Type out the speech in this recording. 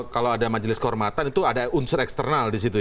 kalau ada majelis kehormatan itu ada unsur eksternal di situ ya